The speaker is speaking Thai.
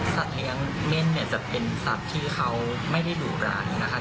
สัตว์เลี้ยงเม่นจะเป็นสัตว์ที่เขาไม่ได้ดูร้านนะคะ